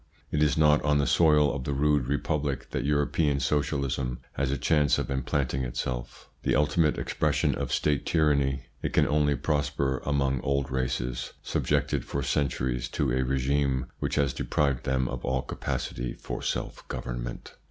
It is not on the soil of the rude Republic that European Socialism has a chance of implanting itself. The ultimate expression of State tyranny, it can only prosper among old races, subjected for centuries to a regime which has deprived them of all capacity for self government.